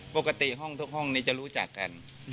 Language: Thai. ปกติห้องทุกห้องนี้จะรู้จักกัน